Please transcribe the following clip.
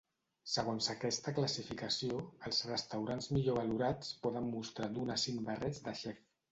Segons aquesta classificació, els restaurants millor valorats poden mostrar d'un a cinc barrets de xef.